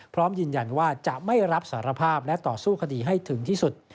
พร้อมยืนยันว่าจะไม่รับสารภาพและต่อสู้คดีให้ถึงที่สุด